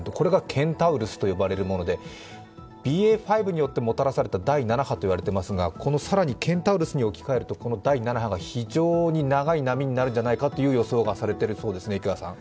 ＢＡ．５によってもたらされた第７波と言われていますが、この更にケンタウロスに置き換えると第７波が非常に長い波になるんじゃないかという予想がされているそうでえすね